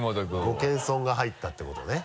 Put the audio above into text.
ご謙遜が入ったっていうことね。